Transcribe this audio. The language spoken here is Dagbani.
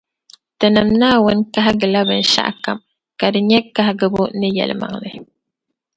Tinim’ Naawuni kahigila binshɛɣu kam ka di nyɛ kahigibu ni yεlimaŋli.